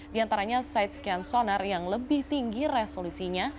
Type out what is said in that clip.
diantaranya side scan sonar yang lebih tinggi resolusinya